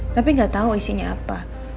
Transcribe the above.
tapi gak tau isinya apa